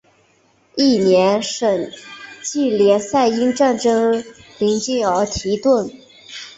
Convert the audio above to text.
翌年省际联赛因战争临近而停顿。